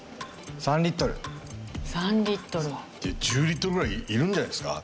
１０リットルぐらいいるんじゃないですか？